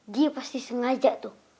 dia pasti sengaja tuh